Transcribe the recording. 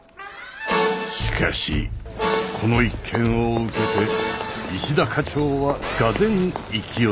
しかしこの一件を受けて石田課長はがぜん勢いづいた。